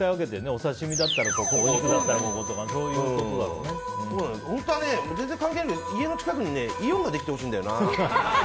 お刺し身だったらそことか本当は全然関係ないけど家の近くにイオンができてほしいんだよな。